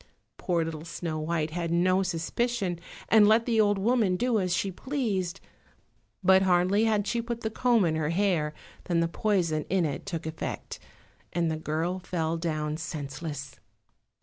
Poor little Snow white had no suspicion, and let the old woman do as she pleased, but hardly had she put the comb in her hair than the poison in it took effect, and the girl fell down senseless.